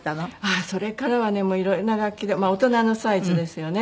それからはね色んな楽器で大人のサイズですよね。